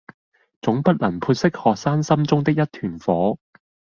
總不能潑熄學生心中的一團火